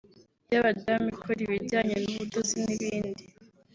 iy’abadamu ikora ibijynye n’ubudozi n’ibindi